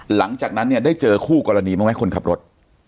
หลังจากนั้นเนี่ยได้เจอคู่กรณีบ้างไหมคนขับรถ